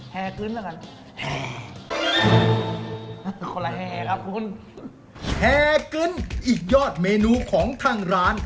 แฮกึ้ลละกันแห่งคนละแห่งครับคุณแห่งอีกยอดเมนูของทางร้าน